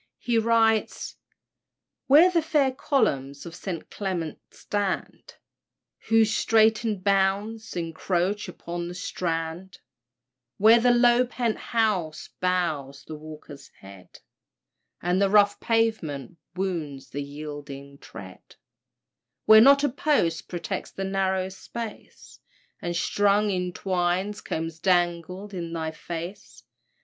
He writes "Where the fair columns of St. Clement stand, Whose straitened bounds incroach upon the Strand; Where the low pent house bows the walker's head, And the rough pavement wounds the yielding tread; Where not a post protects the narrow space, And strung in twines combs dangle in thy face.